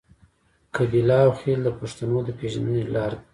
قبیله او خیل د پښتنو د پیژندنې لار ده.